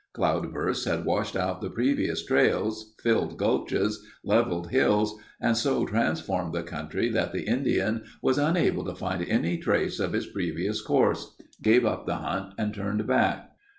Cloudbursts had washed out the previous trails, filled gulches, levelled hills and so transformed the country that the Indian was unable to find any trace of his previous course; gave up the hunt and turned back.